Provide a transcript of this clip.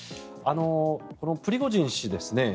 プリゴジン氏ですね